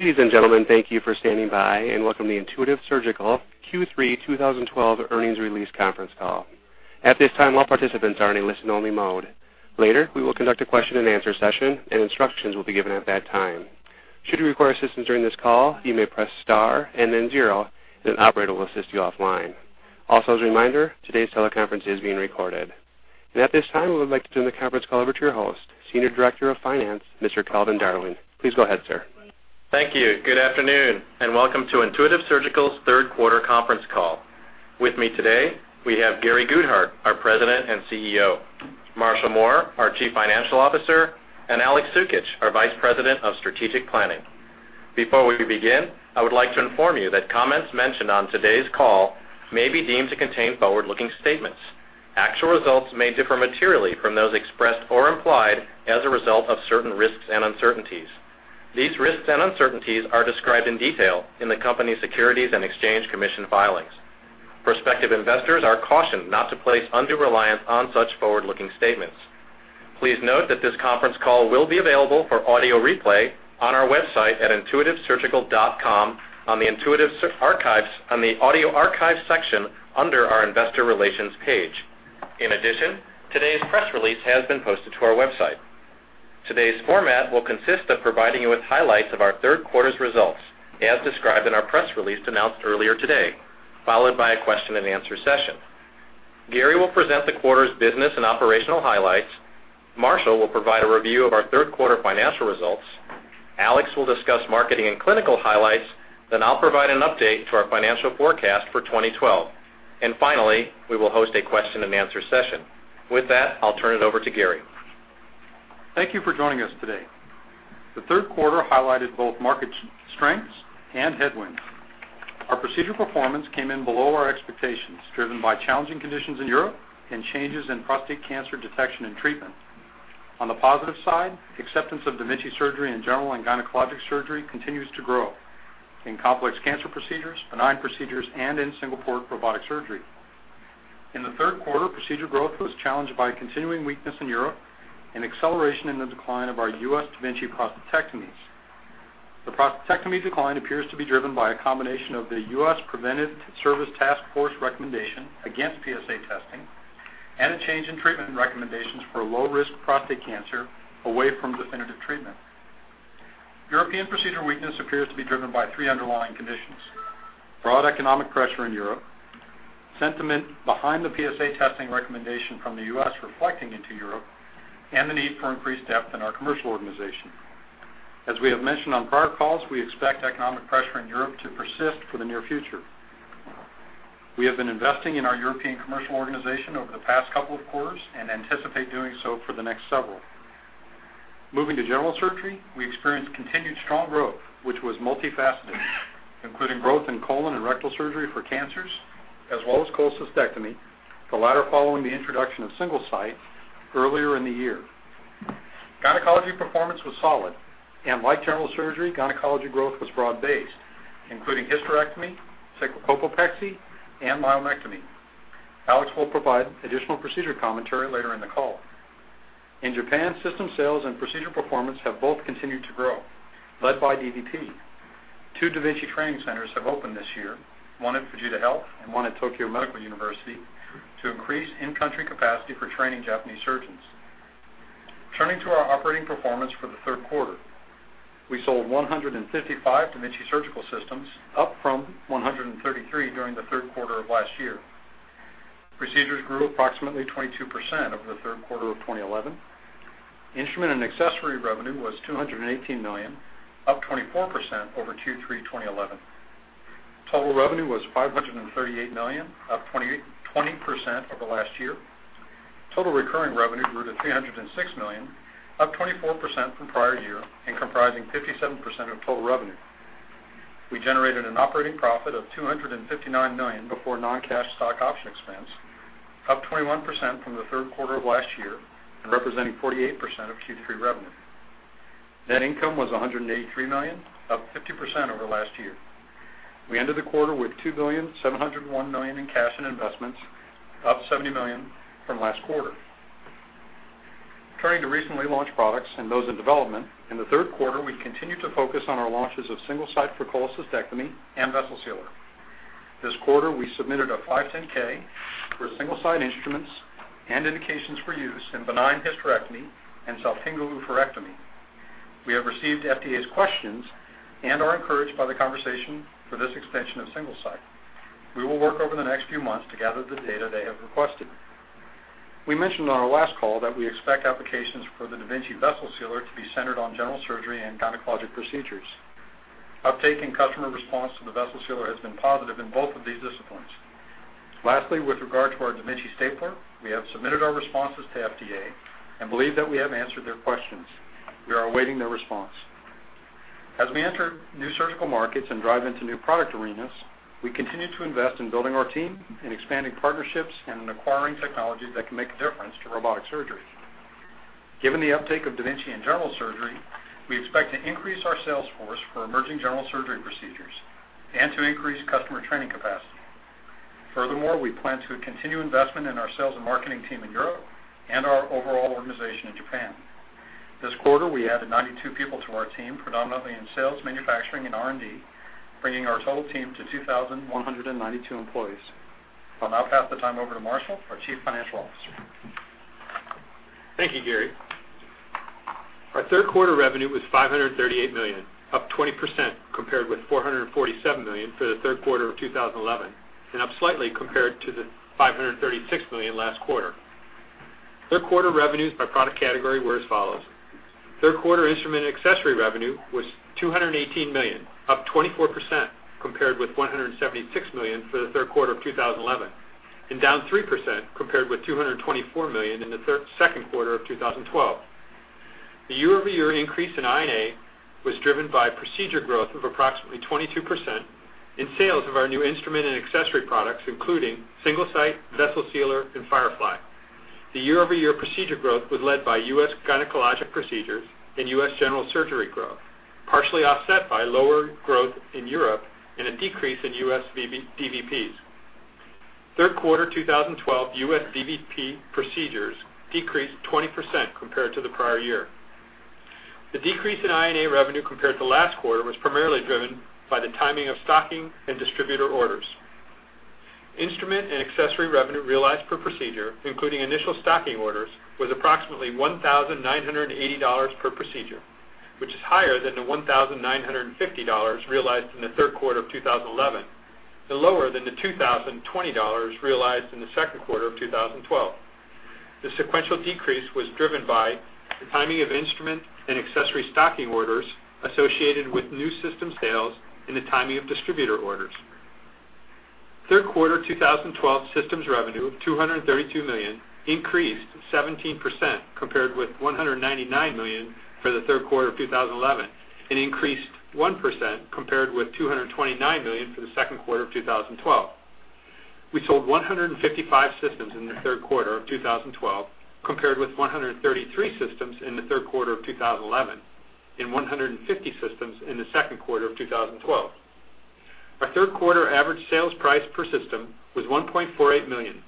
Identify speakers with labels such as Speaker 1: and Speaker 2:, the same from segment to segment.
Speaker 1: Ladies and gentlemen, thank you for standing by. Welcome to the Intuitive Surgical Q3 2012 earnings release conference call. At this time, all participants are in a listen-only mode. Later, we will conduct a question and answer session, and instructions will be given at that time. Should you require assistance during this call, you may press star and then zero, and an operator will assist you offline. As a reminder, today's teleconference is being recorded. At this time, we would like to turn the conference call over to your host, Senior Director of Finance, Mr. Calvin Darling. Please go ahead, sir.
Speaker 2: Thank you. Good afternoon. Welcome to Intuitive Surgical's third quarter conference call. With me today, we have Gary Guthart, our President and CEO, Marshall Mohr, our Chief Financial Officer, and Alex Sukitch, our Vice President of Strategic Planning. Before we begin, I would like to inform you that comments mentioned on today's call may be deemed to contain forward-looking statements. Actual results may differ materially from those expressed or implied as a result of certain risks and uncertainties. These risks and uncertainties are described in detail in the company's Securities and Exchange Commission filings. Prospective investors are cautioned not to place undue reliance on such forward-looking statements. Please note that this conference call will be available for audio replay on our website at intuitivesurgical.com on the Intuitive Archives on the Audio Archives section under our Investor Relations page. In addition, today's press release has been posted to our website. Today's format will consist of providing you with highlights of our third quarter's results, as described in our press release announced earlier today, followed by a question and answer session. Gary will present the quarter's business and operational highlights. Marshall will provide a review of our third-quarter financial results. Alex will discuss marketing and clinical highlights. I'll provide an update to our financial forecast for 2012. Finally, we will host a question and answer session. With that, I'll turn it over to Gary.
Speaker 3: Thank you for joining us today. The third quarter highlighted both market strengths and headwinds. Our procedure performance came in below our expectations, driven by challenging conditions in Europe and changes in prostate cancer detection and treatment. On the positive side, acceptance of da Vinci surgery in general and gynecologic surgery continues to grow in complex cancer procedures, benign procedures, and in single-port robotic surgery. In the third quarter, procedure growth was challenged by continuing weakness in Europe and acceleration in the decline of our U.S. da Vinci prostatectomies. The prostatectomy decline appears to be driven by a combination of the U.S. Preventive Services Task Force recommendation against PSA testing and a change in treatment recommendations for low-risk prostate cancer away from definitive treatment. European procedure weakness appears to be driven by three underlying conditions: broad economic pressure in Europe, sentiment behind the PSA testing recommendation from the U.S. reflecting into Europe, and the need for increased depth in our commercial organization. As we have mentioned on prior calls, we expect economic pressure in Europe to persist for the near future. We have been investing in our European commercial organization over the past couple of quarters and anticipate doing so for the next several. Moving to general surgery, we experienced continued strong growth, which was multifaceted, including growth in colon and rectal surgery for cancers, as well as cholecystectomy, the latter following the introduction of Single-Site earlier in the year. Gynecology performance was solid, and like general surgery, gynecology growth was broad-based, including hysterectomy, sacrocolpopexy, and myomectomy. Alex will provide additional procedure commentary later in the call. In Japan, system sales and procedure performance have both continued to grow, led by dVP. Two da Vinci training centers have opened this year, one at Fujita Health and one at Tokyo Medical University, to increase in-country capacity for training Japanese surgeons. Turning to our operating performance for the third quarter. We sold 155 da Vinci Surgical Systems, up from 133 during the third quarter of last year. Procedures grew approximately 22% over the third quarter of 2011. Instrument and accessory revenue was $218 million, up 24% over Q3 2011. Total revenue was $538 million, up 20% over last year. Total recurring revenue grew to $306 million, up 24% from prior year and comprising 57% of total revenue. We generated an operating profit of $259 million before non-cash stock option expense, up 21% from the third quarter of last year and representing 48% of Q3 revenue. Net income was $183 million, up 50% over last year. We ended the quarter with $2,701 million in cash and investments, up $70 million from last quarter. Turning to recently launched products and those in development. In the third quarter, we continued to focus on our launches of Single-Site for cholecystectomy and Vessel Sealer. This quarter, we submitted a 510(k) for Single-Site instruments and indications for use in benign hysterectomy and supracervical hysterectomy. We have received FDA's questions and are encouraged by the conversation for this extension of Single-Site. We will work over the next few months to gather the data they have requested. We mentioned on our last call that we expect applications for the da Vinci Vessel Sealer to be centered on general surgery and gynecologic procedures. Uptake and customer response to the Vessel Sealer has been positive in both of these disciplines. Lastly, with regard to our da Vinci stapler, we have submitted our responses to FDA and believe that we have answered their questions. We are awaiting their response. As we enter new surgical markets and drive into new product arenas, we continue to invest in building our team, in expanding partnerships, and in acquiring technology that can make a difference to robotic surgery. Given the uptake of da Vinci in general surgery, we expect to increase our sales force for emerging general surgery procedures and to increase customer training capacity. Furthermore, we plan to continue investment in our sales and marketing team in Europe and our overall organization in Japan. This quarter, we added 92 people to our team, predominantly in sales, manufacturing, and R&D, bringing our total team to 2,192 employees. I'll now pass the time over to Marshall, our Chief Financial Officer.
Speaker 4: Thank you, Gary. Our third quarter revenue was $538 million, up 20% compared with $447 million for the third quarter of 2011, and up slightly compared to the $536 million last quarter. Third quarter revenues by product category were as follows. Third quarter instrument accessory revenue was $218 million, up 24% compared with $176 million for the third quarter of 2011, and down 3% compared with $224 million in the second quarter of 2012. The year-over-year increase in I&A was driven by procedure growth of approximately 22% in sales of our new instrument and accessory products, including Single-Site, Vessel Sealer, and Firefly. The year-over-year procedure growth was led by U.S. gynecologic procedures and U.S. general surgery growth, partially offset by lower growth in Europe and a decrease in U.S. DVPs. Third quarter 2012 U.S. DVP procedures decreased 20% compared to the prior year. The decrease in I&A revenue compared to last quarter was primarily driven by the timing of stocking and distributor orders. Instrument and accessory revenue realized per procedure, including initial stocking orders, was approximately $1,980 per procedure, which is higher than the $1,950 realized in the third quarter of 2011, and lower than the $2,020 realized in the second quarter of 2012. The sequential decrease was driven by the timing of instrument and accessory stocking orders associated with new system sales and the timing of distributor orders. Third quarter 2012 systems revenue of $232 million increased 17% compared with $199 million for the third quarter of 2011, and increased 1% compared with $229 million for the second quarter of 2012. We sold 155 systems in the third quarter of 2012, compared with 133 systems in the third quarter of 2011, and 150 systems in the second quarter of 2012. Our third quarter average sales price per system was $1.48 million,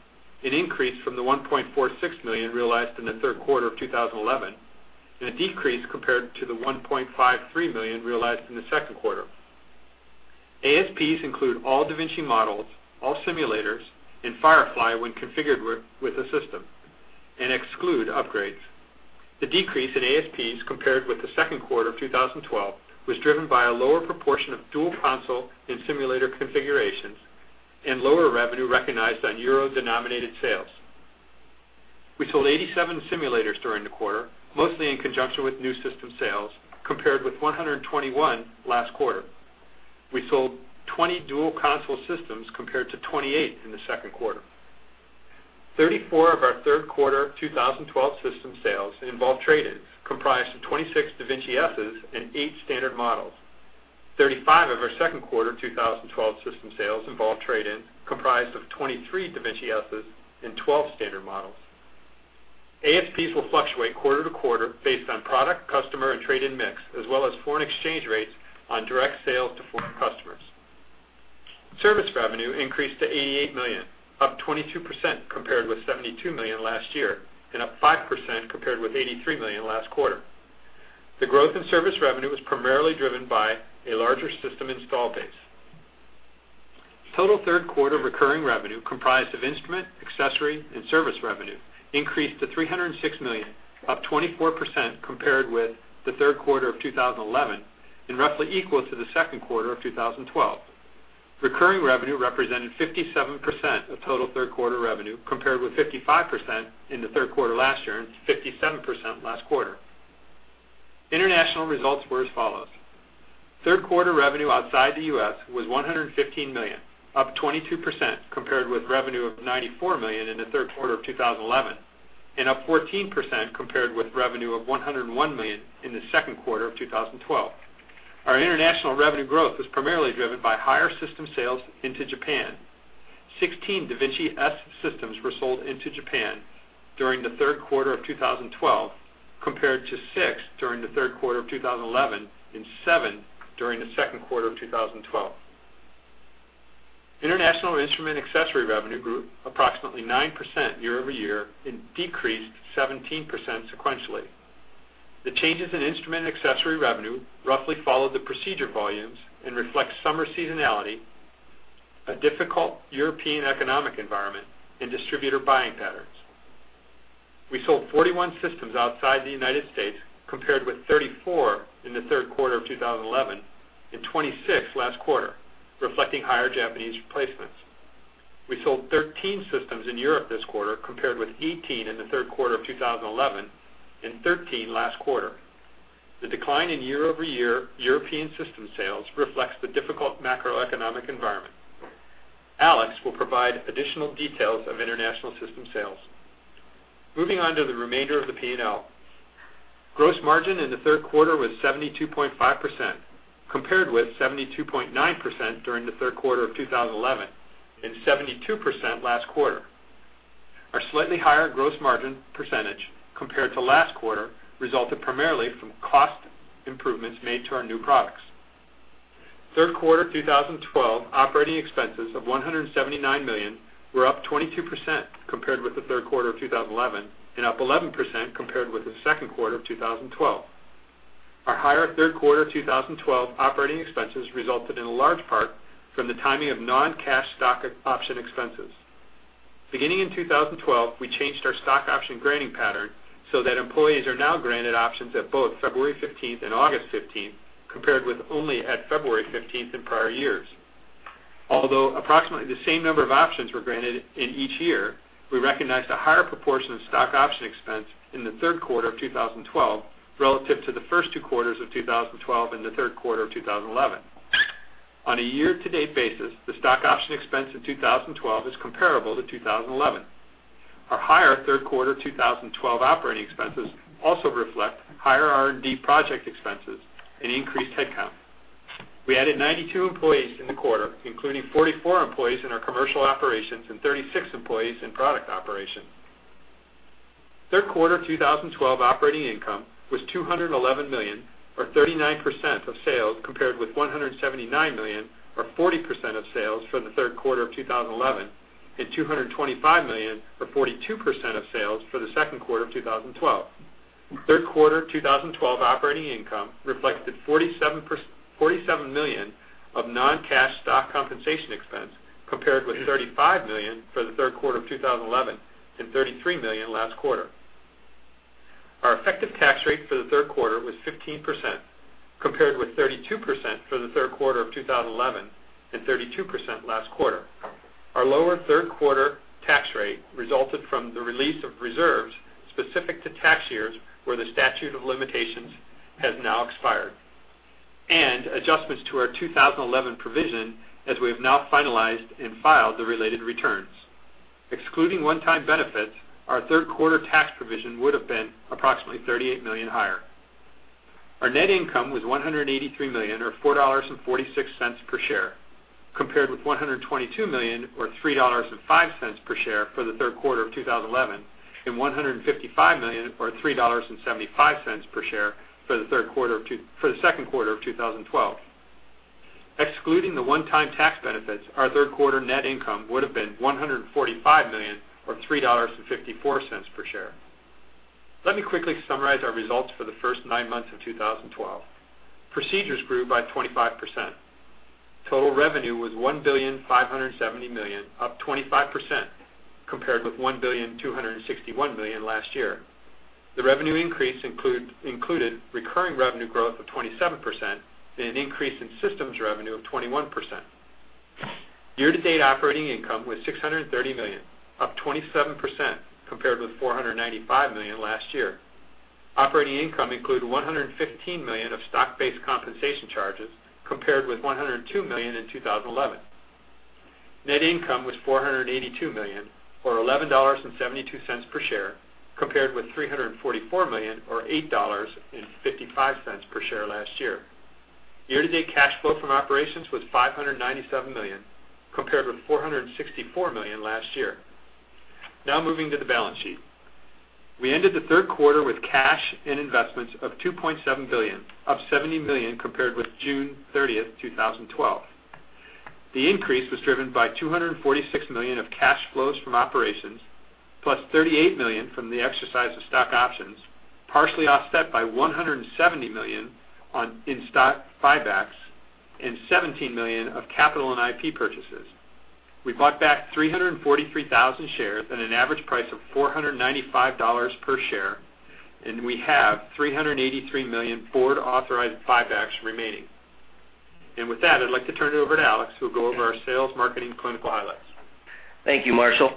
Speaker 4: an increase from the $1.46 million realized in the third quarter of 2011, and a decrease compared to the $1.53 million realized in the second quarter. ASPs include all da Vinci models, all simulators, and Firefly when configured with a system, and exclude upgrades. The decrease in ASPs compared with the second quarter of 2012 was driven by a lower proportion of dual console and simulator configurations and lower revenue recognized on euro-denominated sales. We sold 87 simulators during the quarter, mostly in conjunction with new system sales, compared with 121 last quarter. We sold 20 dual console systems compared to 28 in the second quarter. 34 of our third quarter 2012 system sales involved trade-ins, comprised of 26 da Vinci Ss and eight standard models. 35 of our second quarter 2012 system sales involved trade-ins, comprised of 23 da Vinci Ss and 12 standard models. ASPs will fluctuate quarter-to-quarter based on product, customer, and trade-in mix, as well as foreign exchange rates on direct sales to foreign customers. Service revenue increased to $88 million, up 22% compared with $72 million last year, and up 5% compared with $83 million last quarter. The growth in service revenue was primarily driven by a larger system install base. Total third quarter recurring revenue, comprised of instrument, accessory, and service revenue, increased to $306 million, up 24% compared with the third quarter of 2011, and roughly equal to the second quarter of 2012. Recurring revenue represented 57% of total third quarter revenue, compared with 55% in the third quarter last year and 57% last quarter. International results were as follows. Third quarter revenue outside the U.S. was $115 million, up 22% compared with revenue of $94 million in the third quarter of 2011, and up 14% compared with revenue of $101 million in the second quarter of 2012. Our international revenue growth was primarily driven by higher system sales into Japan. 16 da Vinci S systems were sold into Japan during the third quarter of 2012, compared to six during the third quarter of 2011 and seven during the second quarter of 2012. International instrument accessory revenue grew approximately 9% year-over-year and decreased 17% sequentially. The changes in instrument accessory revenue roughly followed the procedure volumes and reflect summer seasonality, a difficult European economic environment, and distributor buying patterns. We sold 41 systems outside the United States, compared with 34 in the third quarter of 2011, and 26 last quarter, reflecting higher Japanese replacements. We sold 13 systems in Europe this quarter, compared with 18 in the third quarter of 2011 and 13 last quarter. The decline in year-over-year European system sales reflects the difficult macroeconomic environment. Alex will provide additional details of international system sales. Moving on to the remainder of the P&L. Gross margin in the third quarter was 72.5%, compared with 72.9% during the third quarter of 2011 and 72% last quarter. Our slightly higher gross margin percentage compared to last quarter resulted primarily from cost improvements made to our new products. Third quarter 2012 operating expenses of $179 million were up 22% compared with the third quarter of 2011, and up 11% compared with the second quarter of 2012. Our higher third quarter 2012 operating expenses resulted in large part from the timing of non-cash stock option expenses. Beginning in 2012, we changed our stock option granting pattern so that employees are now granted options at both February 15th and August 15th, compared with only at February 15th in prior years. Although approximately the same number of options were granted in each year, we recognized a higher proportion of stock option expense in the third quarter of 2012 relative to the first two quarters of 2012 and the third quarter of 2011. On a year-to-date basis, the stock option expense in 2012 is comparable to 2011. Our higher third quarter 2012 operating expenses also reflect higher R&D project expenses and increased headcount. We added 92 employees in the quarter, including 44 employees in our commercial operations and 36 employees in product operations. Third quarter 2012 operating income was $211 million, or 39% of sales compared with $179 million or 40% of sales for the third quarter of 2011, and $225 million or 42% of sales for the second quarter of 2012. Third quarter 2012 operating income reflected $47 million of non-cash stock compensation expense compared with $35 million for the third quarter of 2011, and $33 million last quarter. Our effective tax rate for the third quarter was 15%, compared with 32% for the third quarter of 2011 and 32% last quarter. Our lower third quarter tax rate resulted from the release of reserves specific to tax years where the statute of limitations has now expired, and adjustments to our 2011 provision, as we have now finalized and filed the related returns. Excluding one-time benefits, our third quarter tax provision would have been approximately $38 million higher. Our net income was $183 million or $4.46 per share, compared with $122 million or $3.05 per share for the third quarter of 2011, and $155 million or $3.75 per share for the second quarter of 2012. Excluding the one-time tax benefits, our third quarter net income would have been $145 million or $3.54 per share. Let me quickly summarize our results for the first nine months of 2012. Procedures grew by 25%. Total revenue was $1,570 million, up 25%, compared with $1,261 million last year. The revenue increase included recurring revenue growth of 27% and an increase in systems revenue of 21%. Year-to-date operating income was $630 million, up 27%, compared with $495 million last year. Operating income included $115 million of stock-based compensation charges, compared with $102 million in 2011. Net income was $482 million, or $11.72 per share, compared with $344 million or $8.55 per share last year. Year-to-date cash flow from operations was $597 million, compared with $464 million last year. Now moving to the balance sheet. We ended the third quarter with cash and investments of $2.7 billion, up $70 million compared with June 30th, 2012. The increase was driven by $246 million of cash flows from operations, plus $38 million from the exercise of stock options, partially offset by $170 million in stock buybacks and $17 million of capital and IP purchases. We bought back 343,000 shares at an average price of $495 per share, and we have $383 million board authorized buybacks remaining. With that, I'd like to turn it over to Alex, who'll go over our sales, marketing, clinical highlights.
Speaker 5: Thank you, Marshall.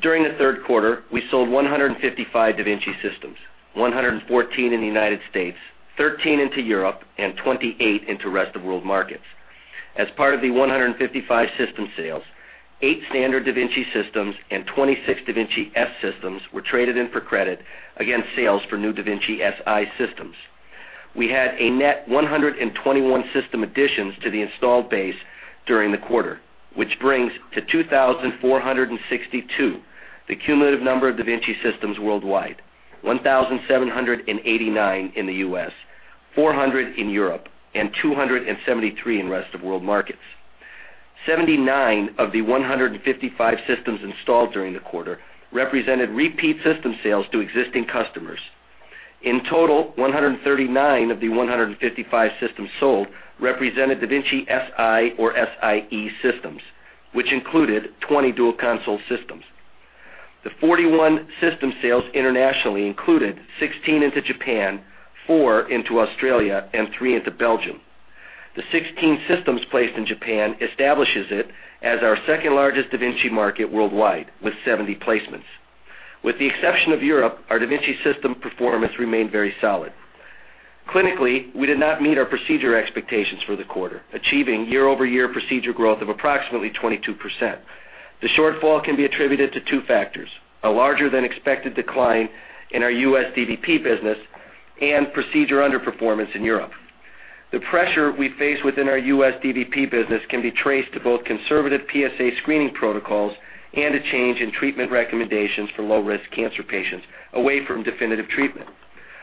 Speaker 5: During the third quarter, we sold 155 da Vinci systems, 114 in the U.S., 13 into Europe and 28 into rest of world markets. As part of the 155 system sales, eight standard da Vinci systems and 26 da Vinci S systems were traded in for credit against sales for new da Vinci Si systems. We had a net 121 system additions to the installed base during the quarter, which brings to 2,462 the cumulative number of da Vinci systems worldwide. 1,789 in the U.S., 400 in Europe and 273 in rest of world markets. 79 of the 155 systems installed during the quarter represented repeat system sales to existing customers. In total, 139 of the 155 systems sold represented da Vinci Si or Si-e systems, which included 20 dual console systems. The 41 system sales internationally included 16 into Japan, four into Australia and three into Belgium. The 16 systems placed in Japan establishes it as our second-largest da Vinci market worldwide with 70 placements. With the exception of Europe, our da Vinci system performance remained very solid. Clinically, we did not meet our procedure expectations for the quarter, achieving year-over-year procedure growth of approximately 22%. The shortfall can be attributed to two factors, a larger than expected decline in our U.S. dVP business and procedure underperformance in Europe. The pressure we face within our U.S. dVP business can be traced to both conservative PSA screening protocols and a change in treatment recommendations for low-risk cancer patients away from definitive treatment.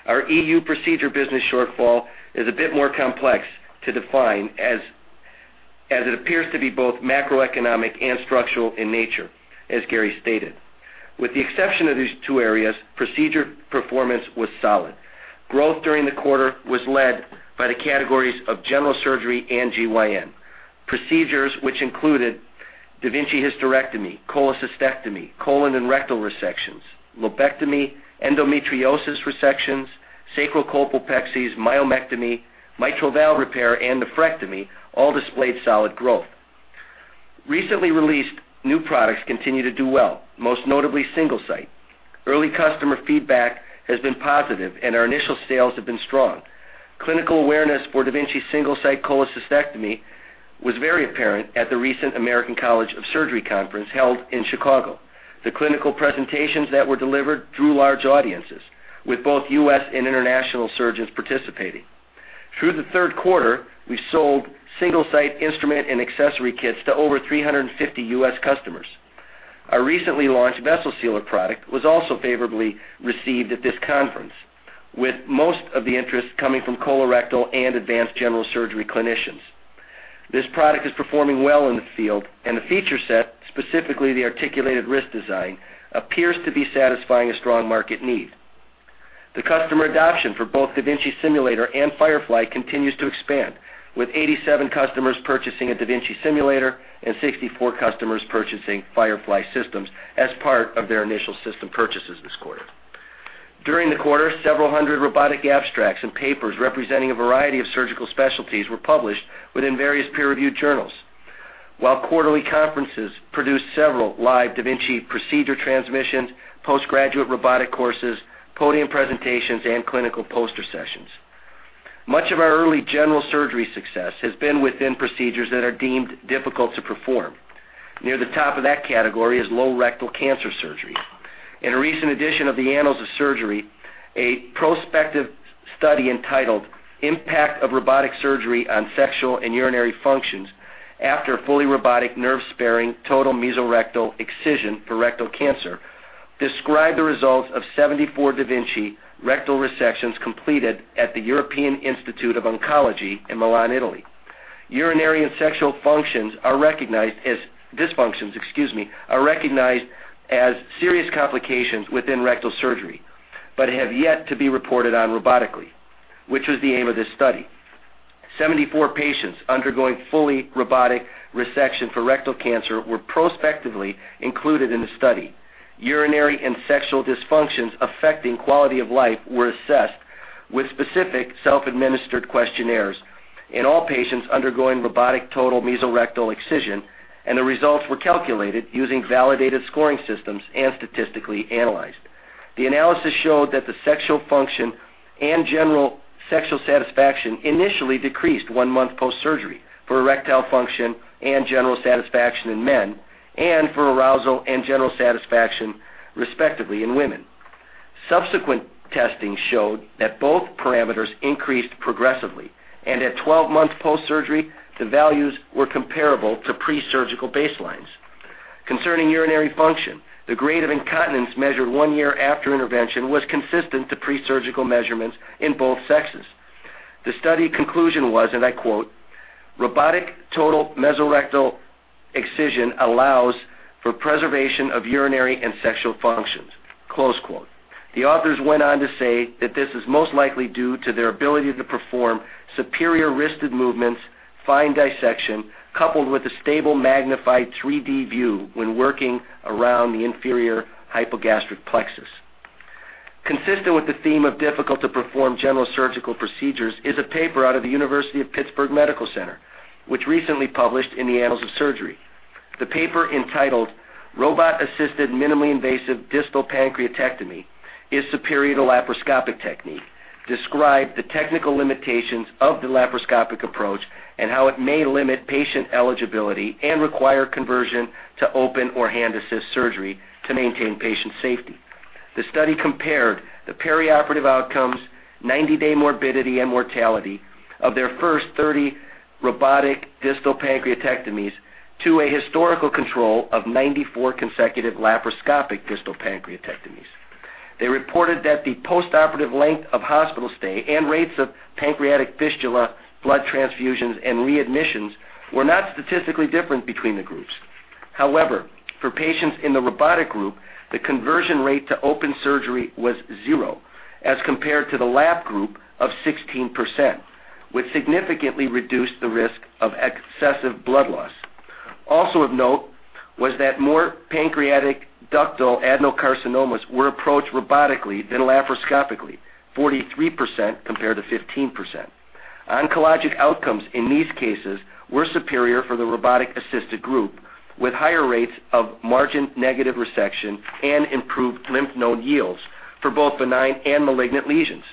Speaker 5: Our EU procedure business shortfall is a bit more complex to define, as it appears to be both macroeconomic and structural in nature, as Gary stated. With the exception of these two areas, procedure performance was solid. Growth during the quarter was led by the categories of general surgery and GYN. Procedures, which included da Vinci hysterectomy, cholecystectomy, colon and rectal resections, lobectomy, endometriosis resections, sacrocolpopexy, myomectomy, mitral valve repair, and nephrectomy, all displayed solid growth. Recently released new products continue to do well, most notably Single-Site. Early customer feedback has been positive, and our initial sales have been strong. Clinical awareness for da Vinci Single-Site cholecystectomy was very apparent at the recent American College of Surgeons conference held in Chicago. The clinical presentations that were delivered drew large audiences, with both U.S. and international surgeons participating. Through the third quarter, we sold Single-Site instrument and accessory kits to over 350 U.S. customers. Our recently launched Vessel Sealer product was also favorably received at this conference, with most of the interest coming from colorectal and advanced general surgery clinicians. This product is performing well in the field, and the feature set, specifically the articulated wrist design, appears to be satisfying a strong market need. The customer adoption for both da Vinci Simulator and Firefly continues to expand, with 87 customers purchasing a da Vinci Simulator and 64 customers purchasing Firefly systems as part of their initial system purchases this quarter. During the quarter, several hundred robotic abstracts and papers representing a variety of surgical specialties were published within various peer-reviewed journals. Quarterly conferences produced several live da Vinci procedure transmissions, post-graduate robotic courses, podium presentations, and clinical poster sessions. Much of our early general surgery success has been within procedures that are deemed difficult to perform. Near the top of that category is low rectal cancer surgery. In a recent edition of the Annals of Surgery, a prospective study entitled "Impact of Robotic Surgery on Sexual and Urinary Functions After Fully Robotic Nerve-Sparing Total Mesorectal Excision for Rectal Cancer," described the results of 74 da Vinci rectal resections completed at the European Institute of Oncology in Milan, Italy. Urinary and sexual dysfunctions are recognized as serious complications within rectal surgery but have yet to be reported on robotically, which was the aim of this study. 74 patients undergoing fully robotic resection for rectal cancer were prospectively included in the study. Urinary and sexual dysfunctions affecting quality of life were assessed with specific self-administered questionnaires in all patients undergoing robotic total mesorectal excision, and the results were calculated using validated scoring systems and statistically analyzed. The analysis showed that the sexual function and general sexual satisfaction initially decreased one month post-surgery for erectile function and general satisfaction in men and for arousal and general satisfaction, respectively, in women. Subsequent testing showed that both parameters increased progressively, and at 12 months post-surgery, the values were comparable to pre-surgical baselines. Concerning urinary function, the grade of incontinence measured one year after intervention was consistent to pre-surgical measurements in both sexes. The study conclusion was, and I quote, "Robotic total mesorectal excision allows for preservation of urinary and sexual functions." Close quote. The authors went on to say that this is most likely due to their ability to perform superior wristed movements, fine dissection, coupled with a stable, magnified 3D view when working around the inferior hypogastric plexus. Consistent with the theme of difficult to perform general surgical procedures is a paper out of the University of Pittsburgh Medical Center, which recently published in the Annals of Surgery. The paper entitled "Robot-Assisted Minimally Invasive Distal Pancreatectomy Is Superior to Laparoscopic Technique," described the technical limitations of the laparoscopic approach and how it may limit patient eligibility and require conversion to open or hand-assist surgery to maintain patient safety. The study compared the perioperative outcomes, 90-day morbidity, and mortality of their first 30 robotic distal pancreatectomies to a historical control of 94 consecutive laparoscopic distal pancreatectomies. They reported that the postoperative length of hospital stay and rates of pancreatic fistula, blood transfusions, and readmissions were not statistically different between the groups. For patients in the robotic group, the conversion rate to open surgery was zero, as compared to the lap group of 16%, which significantly reduced the risk of excessive blood loss. Also of note was that more pancreatic ductal adenocarcinomas were approached robotically than laparoscopically, 43% compared to 15%. Oncologic outcomes in these cases were superior for the robotic-assisted group, with higher rates of margin-negative resection and improved lymph node yields for both benign and malignant lesions.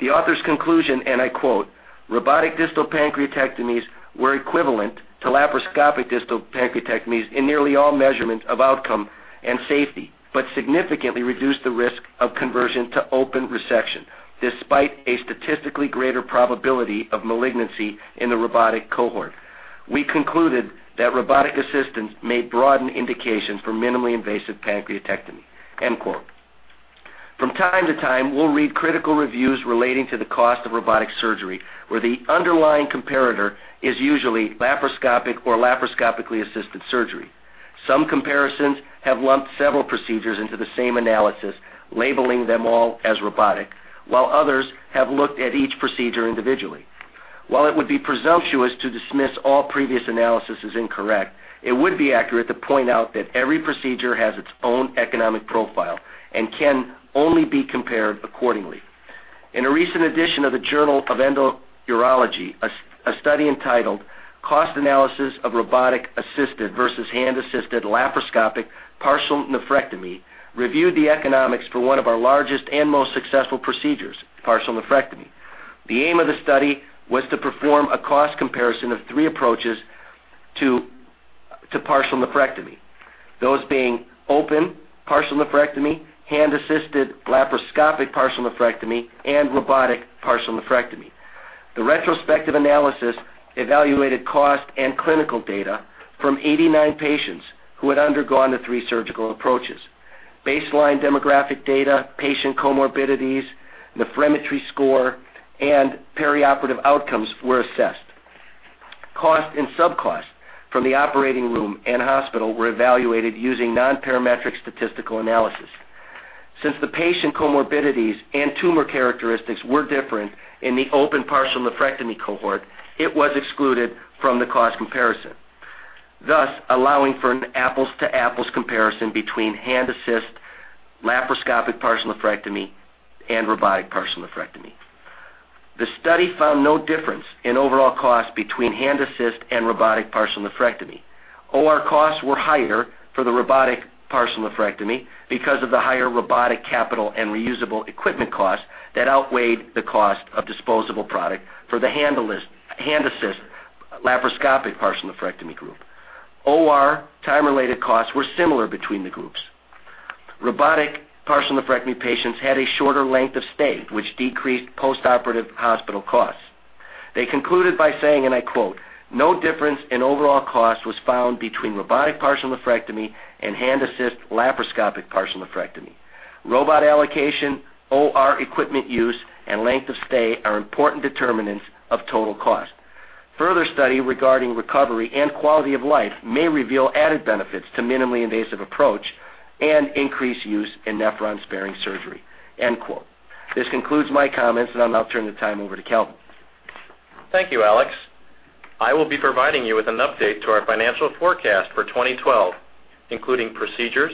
Speaker 5: The author's conclusion, I quote, "Robotic distal pancreatectomies were equivalent to laparoscopic distal pancreatectomies in nearly all measurements of outcome and safety but significantly reduced the risk of conversion to open resection, despite a statistically greater probability of malignancy in the robotic cohort." We concluded that robotic assistance may broaden indications for minimally invasive pancreatectomy." From time to time, we'll read critical reviews relating to the cost of robotic surgery, where the underlying comparator is usually laparoscopic or laparoscopically-assisted surgery. Some comparisons have lumped several procedures into the same analysis, labeling them all as robotic, while others have looked at each procedure individually. While it would be presumptuous to dismiss all previous analysis as incorrect, it would be accurate to point out that every procedure has its own economic profile and can only be compared accordingly. In a recent edition of the "Journal of Endourology," a study entitled, "Cost Analysis of Robotic-Assisted versus Hand-Assisted Laparoscopic Partial Nephrectomy," reviewed the economics for one of our largest and most successful procedures, partial nephrectomy. The aim of the study was to perform a cost comparison of three approaches to partial nephrectomy. Those being open partial nephrectomy, hand-assisted laparoscopic partial nephrectomy, and robotic partial nephrectomy. The retrospective analysis evaluated cost and clinical data from 89 patients who had undergone the three surgical approaches. Baseline demographic data, patient comorbidities, nephrometry score, and perioperative outcomes were assessed. Cost and sub-cost from the operating room and hospital were evaluated using nonparametric statistical analysis. Since the patient comorbidities and tumor characteristics were different in the open partial nephrectomy cohort, it was excluded from the cost comparison, thus allowing for an apples-to-apples comparison between hand-assist laparoscopic partial nephrectomy and robotic partial nephrectomy. The study found no difference in overall cost between hand-assist and robotic partial nephrectomy. OR costs were higher for the robotic partial nephrectomy because of the higher robotic capital and reusable equipment cost that outweighed the cost of disposable product for the hand-assist laparoscopic partial nephrectomy group. OR time-related costs were similar between the groups. Robotic partial nephrectomy patients had a shorter length of stay, which decreased post-operative hospital costs. They concluded by saying, and I quote, "No difference in overall cost was found between robotic partial nephrectomy and hand-assist laparoscopic partial nephrectomy. Robot allocation, OR equipment use, and length of stay are important determinants of total cost. Further study regarding recovery and quality of life may reveal added benefits to minimally invasive approach and increase use in nephron-sparing surgery." This concludes my comments, and I'll now turn the time over to Calvin.
Speaker 2: Thank you, Alex. I will be providing you with an update to our financial forecast for 2012, including procedures,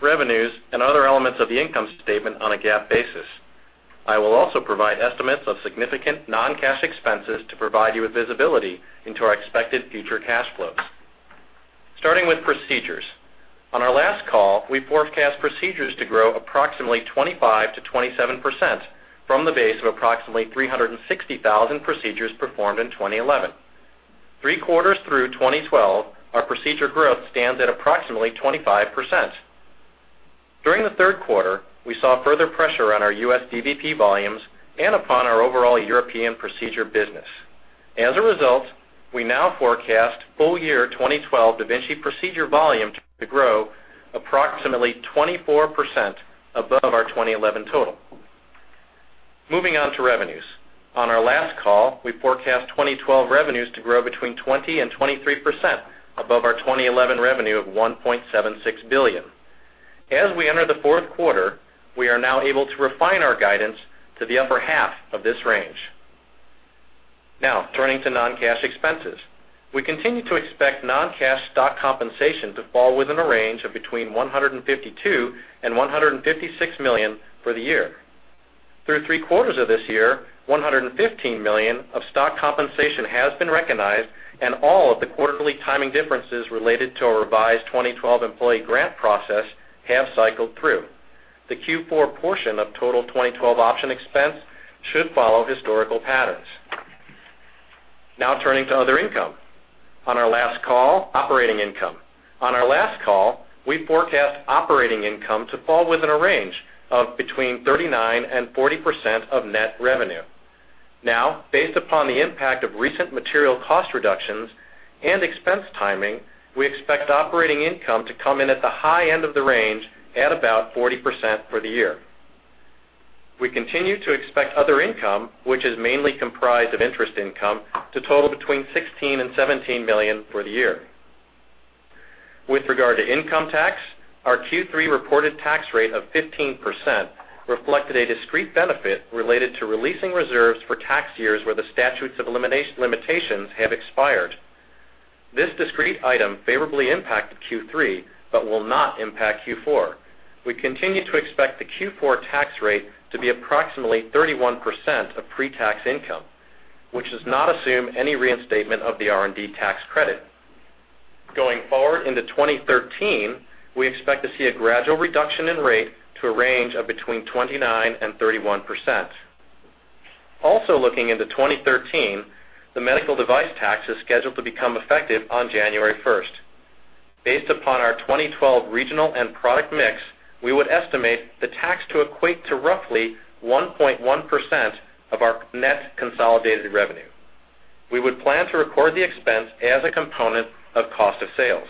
Speaker 2: revenues, and other elements of the income statement on a GAAP basis. I will also provide estimates of significant non-cash expenses to provide you with visibility into our expected future cash flows. Starting with procedures. On our last call, we forecast procedures to grow approximately 25%-27% from the base of approximately 360,000 procedures performed in 2011. Three quarters through 2012, our procedure growth stands at approximately 25%. During the third quarter, we saw further pressure on our U.S. dVP volumes and upon our overall European procedure business. As a result, we now forecast full year 2012 da Vinci procedure volume to grow approximately 24% above our 2011 total. Moving on to revenues. On our last call, we forecast 2012 revenues to grow between 20% and 23% above our 2011 revenue of $1.76 billion. As we enter the fourth quarter, we are now able to refine our guidance to the upper half of this range. Turning to non-cash expenses. We continue to expect non-cash stock compensation to fall within a range of between $152 million and $156 million for the year. Through three quarters of this year, $115 million of stock compensation has been recognized, and all of the quarterly timing differences related to our revised 2012 employee grant process have cycled through. The Q4 portion of total 2012 option expense should follow historical patterns. Turning to other income. On our last call, we forecast operating income to fall within a range of between 39% and 40% of net revenue. Based upon the impact of recent material cost reductions and expense timing, we expect operating income to come in at the high end of the range at about 40% for the year. We continue to expect other income, which is mainly comprised of interest income, to total between $16 million and $17 million for the year. With regard to income tax, our Q3 reported tax rate of 15% reflected a discrete benefit related to releasing reserves for tax years where the statutes of limitations have expired. This discrete item favorably impacted Q3 but will not impact Q4. We continue to expect the Q4 tax rate to be approximately 31% of pre-tax income, which does not assume any reinstatement of the R&D tax credit. Going forward into 2013, we expect to see a gradual reduction in rate to a range of between 29% and 31%. Looking into 2013, the Medical Device Excise Tax is scheduled to become effective on January 1st. Based upon our 2012 regional and product mix, we would estimate the tax to equate to roughly 1.1% of our net consolidated revenue. We would plan to record the expense as a component of cost of sales.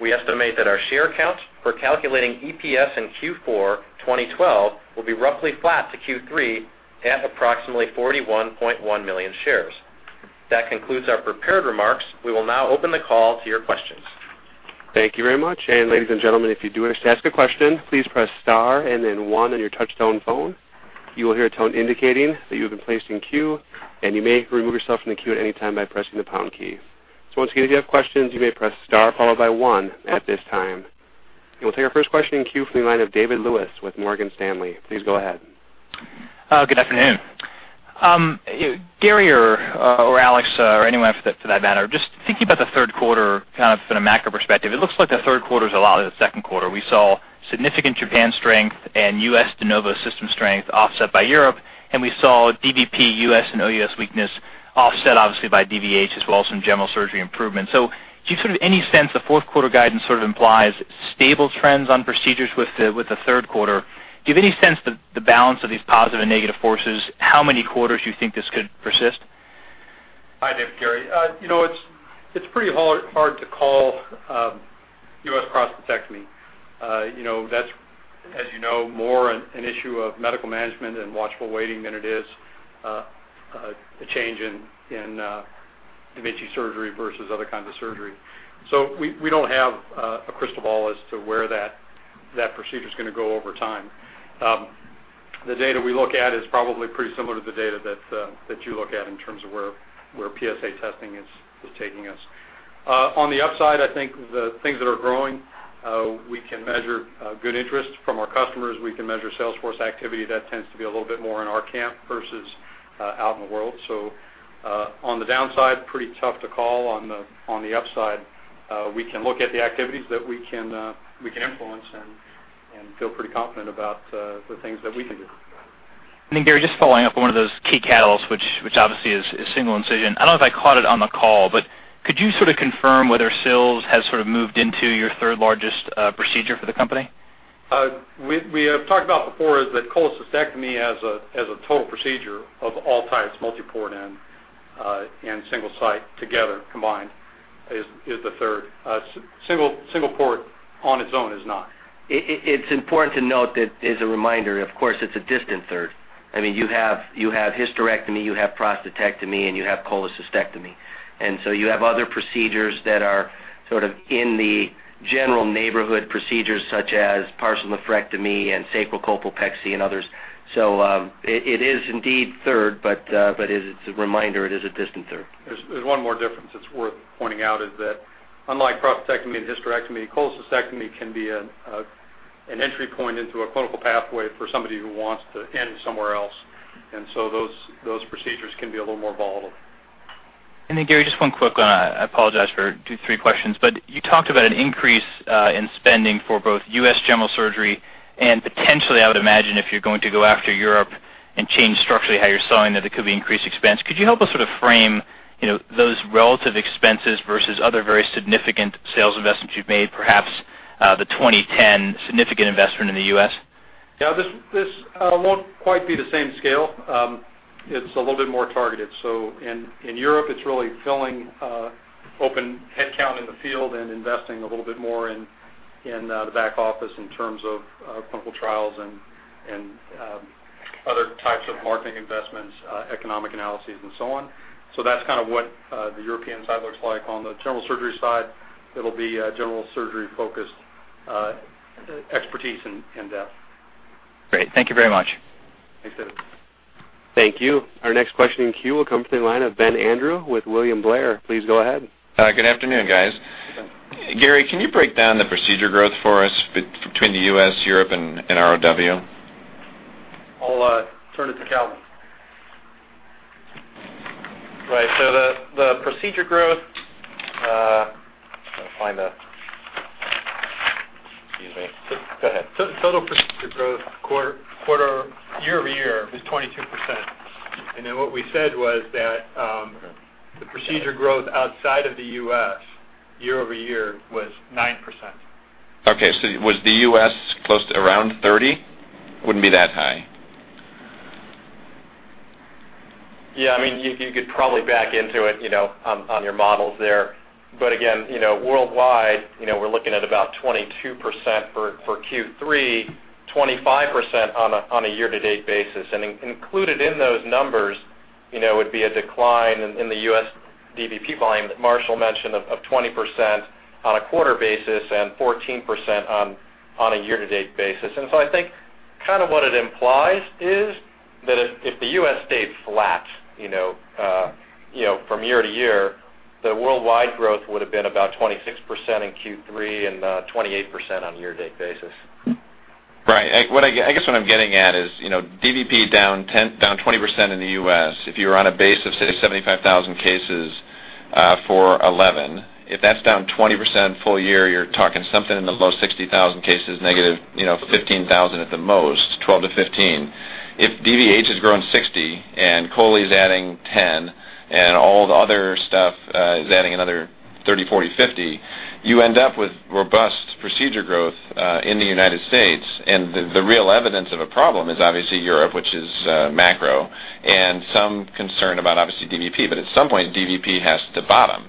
Speaker 2: We estimate that our share counts for calculating EPS in Q4 2012 will be roughly flat to Q3 at approximately 41.1 million shares. That concludes our prepared remarks. We will now open the call to your questions.
Speaker 1: Thank you very much. Ladies and gentlemen, if you do wish to ask a question, please press star and then one on your touchtone phone. You will hear a tone indicating that you have been placed in queue, and you may remove yourself from the queue at any time by pressing the pound key. Once again, if you have questions, you may press star followed by one at this time. We'll take our first question in queue from the line of David Lewis with Morgan Stanley. Please go ahead.
Speaker 6: Good afternoon. Gary or Alex, or anyone for that matter, just thinking about the third quarter kind of from a macro perspective, it looks like the third quarter is a lot like the second quarter. We saw significant Japan strength and U.S. de novo system strength offset by Europe. We saw dVP U.S. and OUS weakness offset obviously by DVH as well, some general surgery improvements. Do you sort of any sense the fourth quarter guidance sort of implies stable trends on procedures with the third quarter? Do you have any sense the balance of these positive and negative forces, how many quarters you think this could persist?
Speaker 3: Hi, Dave. Gary. It's pretty hard to call U.S. prostatectomy. That's, as you know, more an issue of medical management and watchful waiting than it is a change in da Vinci surgery versus other kinds of surgery. We don't have a crystal ball as to where that procedure's going to go over time. The data we look at is probably pretty similar to the data that you look at in terms of where PSA testing is taking us. On the upside, I think the things that are growing, we can measure good interest from our customers. We can measure sales force activity. That tends to be a little bit more in our camp versus out in the world. On the downside, pretty tough to call. On the upside, we can look at the activities that we can influence and feel pretty confident about the things that we can do.
Speaker 6: Gary, just following up on one of those key catalysts, which obviously is single incision. I don't know if I caught it on the call, but could you sort of confirm whether SILS has sort of moved into your third largest procedure for the company?
Speaker 3: We have talked about before is that cholecystectomy as a total procedure of all types, multi-port and Single-Site together combined is the third. Single port on its own is not.
Speaker 5: It's important to note that as a reminder, of course, it's a distant third. You have hysterectomy, you have prostatectomy, and you have cholecystectomy. You have other procedures that are sort of in the general neighborhood procedures such as partial nephrectomy and sacrocolpopexy and others. It is indeed third, but as a reminder, it is a distant third.
Speaker 3: There's one more difference that's worth pointing out is that unlike prostatectomy and hysterectomy, cholecystectomy can be an entry point into a clinical pathway for somebody who wants to end somewhere else. Those procedures can be a little more volatile.
Speaker 6: Gary, just one quick one. I apologize for two, three questions. You talked about an increase in spending for both U.S. general surgery and potentially, I would imagine if you're going to go after Europe and change structurally how you're selling, that it could be increased expense. Could you help us sort of frame those relative expenses versus other very significant sales investments you've made, perhaps the 2010 significant investment in the U.S.?
Speaker 3: Yeah, this won't quite be the same scale. It's a little bit more targeted. In Europe, it's really filling open headcount in the field and investing a little bit more in the back office in terms of clinical trials and other types of marketing investments, economic analyses, and so on. That's kind of what the European side looks like. On the general surgery side, it'll be general surgery-focused expertise and depth.
Speaker 6: Great. Thank you very much.
Speaker 3: Thanks, David.
Speaker 1: Thank you. Our next question in queue will come from the line of Ben Andrew with William Blair. Please go ahead.
Speaker 7: Good afternoon, guys. Gary, can you break down the procedure growth for us between the U.S., Europe, and ROW?
Speaker 3: I'll turn it to Calvin.
Speaker 2: Right. The procedure growth
Speaker 7: I'll find the Excuse me. Go ahead.
Speaker 2: Total procedure growth year-over-year was 22%. What we said was that the procedure growth outside of the U.S. year-over-year was 9%.
Speaker 7: Was the U.S. close to around 30%? Wouldn't be that high.
Speaker 2: Yeah, you could probably back into it on your models there. Again, worldwide, we're looking at about 22% for Q3, 25% on a year-to-date basis. Included in those numbers would be a decline in the U.S. DVP volume that Marshall mentioned of 20% on a quarter basis and 14% on a year-to-date basis. I think kind of what it implies is that if the U.S. stayed flat from year-to-year, the worldwide growth would have been about 26% in Q3 and 28% on a year-to-date basis.
Speaker 7: Right. I guess what I'm getting at is, DVP down 20% in the U.S. If you were on a base of, say, 75,000 cases for 2011, if that's down 20% full year, you're talking something in the low 60,000 cases, -15,000 at the most, 12 to 15. If BVH has grown 60 and chole's adding 10, and all the other stuff is adding another 30, 40, 50, you end up with robust procedure growth in the United States. The real evidence of a problem is obviously Europe, which is macro, and some concern about obviously DVP. At some point, DVP has to bottom.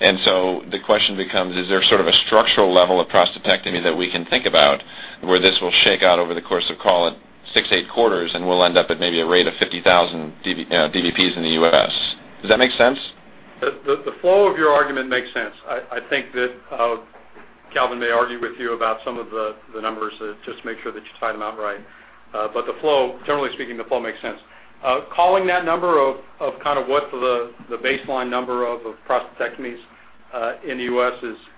Speaker 7: The question becomes, is there sort of a structural level of prostatectomy that we can think about where this will shake out over the course of, call it 6, 8 quarters, and we'll end up at maybe a rate of 50,000 DVPs in the U.S.? Does that make sense?
Speaker 3: The flow of your argument makes sense. I think that Calvin may argue with you about some of the numbers, just make sure that you time them out right. Generally speaking, the flow makes sense. Calling that number of what the baseline number of prostatectomies in the U.S.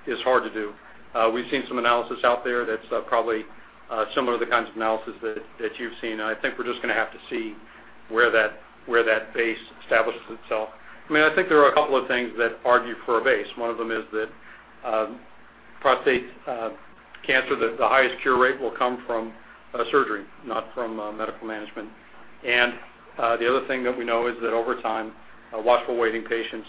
Speaker 3: is hard to do. We've seen some analysis out there that's probably similar to the kinds of analysis that you've seen, and I think we're just going to have to see where that base establishes itself. I think there are a couple of things that argue for a base. One of them is that prostate cancer, the highest cure rate will come from surgery, not from medical management. The other thing that we know is that over time, watchful waiting patients,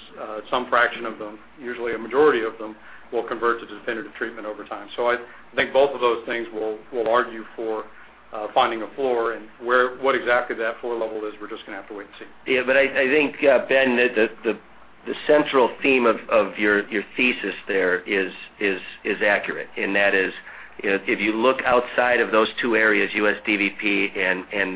Speaker 3: some fraction of them, usually a majority of them, will convert to definitive treatment over time. I think both of those things will argue for finding a floor, and what exactly that floor level is, we're just going to have to wait and see.
Speaker 5: I think, Ben, the central theme of your thesis there is accurate, that is, if you look outside of those two areas, U.S. dVP and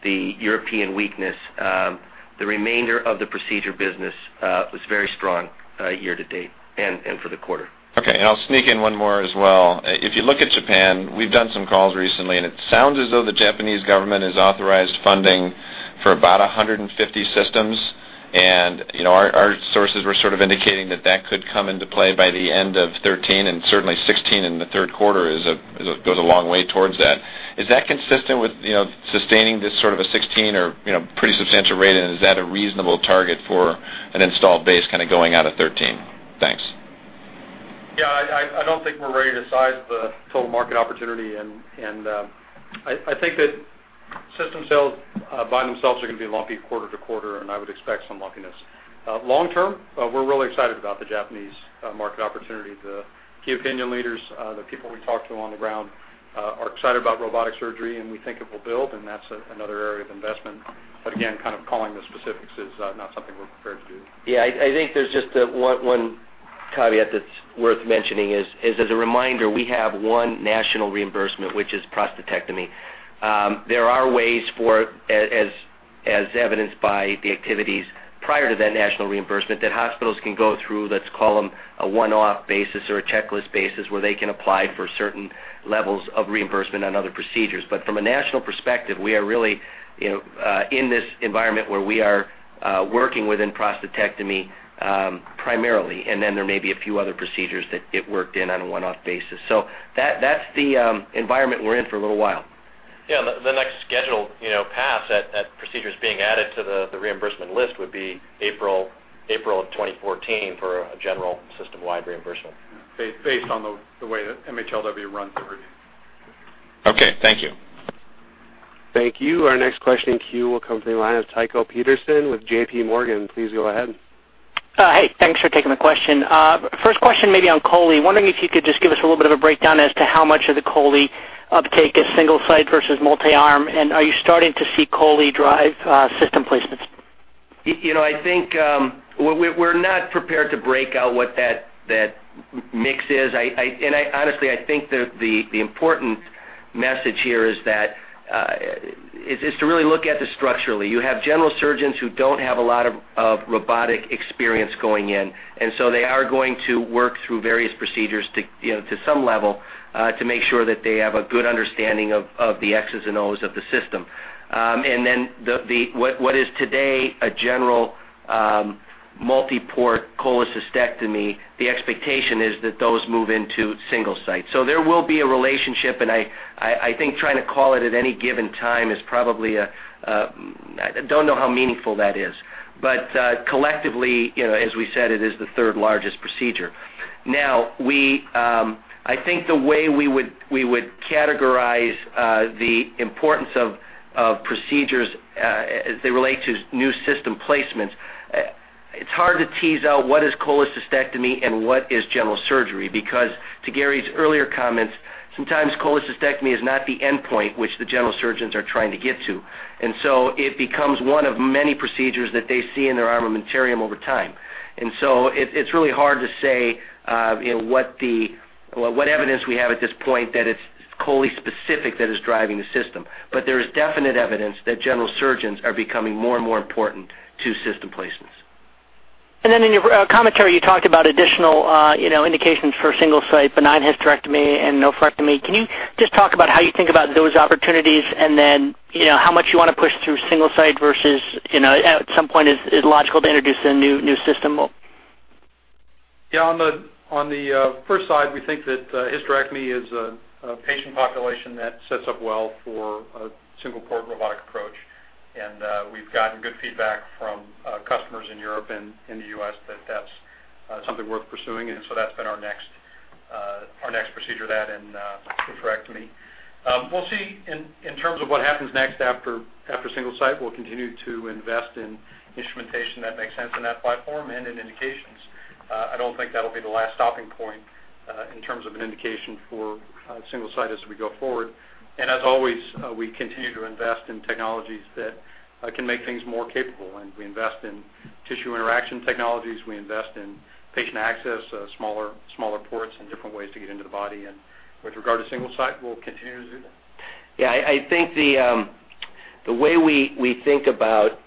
Speaker 5: the European weakness, the remainder of the procedure business was very strong year-to-date and for the quarter.
Speaker 7: I'll sneak in one more as well. If you look at Japan, we've done some calls recently, it sounds as though the Japanese government has authorized funding for about 150 systems. Our sources were sort of indicating that that could come into play by the end of 2013, and certainly 16 in the third quarter goes a long way towards that. Is that consistent with sustaining this sort of a 2016 or pretty substantial rate, and is that a reasonable target for an installed base going out of 2013? Thanks.
Speaker 3: Yeah, I don't think we're ready to size the total market opportunity. I think that system sales by themselves are going to be lumpy quarter to quarter. I would expect some lumpiness. Long term, we're really excited about the Japanese market opportunity. The opinion leaders, the people we talk to on the ground are excited about robotic surgery. We think it will build. That's another area of investment. Again, kind of calling the specifics is not something we're prepared to do.
Speaker 5: Yeah, I think there's just one caveat that's worth mentioning is, as a reminder, we have one national reimbursement, which is prostatectomy. There are ways for it, as evidenced by the activities prior to that national reimbursement, that hospitals can go through, let's call them, a one-off basis or a checklist basis where they can apply for certain levels of reimbursement on other procedures. From a national perspective, we are really in this environment where we are working within prostatectomy primarily, and then there may be a few other procedures that get worked in on a one-off basis. That's the environment we're in for a little while.
Speaker 7: Yeah, the next scheduled pass at procedures being added to the reimbursement list would be April of 2014 for a general system-wide reimbursement.
Speaker 3: Based on the way that MHLW runs already.
Speaker 7: Okay. Thank you.
Speaker 1: Thank you. Our next question in queue will come from the line of Tycho Peterson with JPMorgan. Please go ahead.
Speaker 8: Hey, thanks for taking the question. First question maybe on chole. Wondering if you could just give us a little bit of a breakdown as to how much of the chole uptake is Single-Site versus multi-arm, and are you starting to see chole drive system placements?
Speaker 5: I think we're not prepared to break out what that mix is. Honestly, I think the important message here is to really look at this structurally. You have general surgeons who don't have a lot of robotic experience going in, they are going to work through various procedures to some level to make sure that they have a good understanding of the X's and O's of the system. Then what is today a general multi-port cholecystectomy, the expectation is that those move into Single-Site. There will be a relationship, and I think trying to call it at any given time, I don't know how meaningful that is. Collectively, as we said, it is the third largest procedure. I think the way we would categorize the importance of procedures as they relate to new system placements, it's hard to tease out what is cholecystectomy and what is general surgery. To Gary's earlier comments, sometimes cholecystectomy is not the endpoint which the general surgeons are trying to get to. It becomes one of many procedures that they see in their armamentarium over time. It's really hard to say what evidence we have at this point that it's chole specific that is driving the system. There is definite evidence that general surgeons are becoming more and more important to system placements.
Speaker 8: In your commentary, you talked about additional indications for Single-Site, benign hysterectomy, and nephrectomy. Can you just talk about how you think about those opportunities and then how much you want to push through Single-Site versus at some point it's logical to introduce a new system?
Speaker 3: On the first side, we think that hysterectomy is a patient population that sets up well for a single-port robotic approach. We've gotten good feedback from customers in Europe and in the U.S. that that's something worth pursuing. That's been our next procedure, that and hysterectomy. We'll see in terms of what happens next after Single-Site, we'll continue to invest in instrumentation that makes sense in that platform and in indications. I don't think that'll be the last stopping point in terms of an indication for Single-Site as we go forward. As always, we continue to invest in technologies that can make things more capable, we invest in tissue interaction technologies, we invest in patient access, smaller ports, and different ways to get into the body. With regard to Single-Site, we'll continue to do that.
Speaker 5: I think the way we think about,